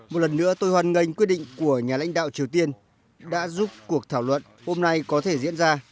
một lần nữa tôi hoàn ngành quyết định của nhà lãnh đạo triều tiên đã giúp cuộc thảo luận hôm nay có thể diễn ra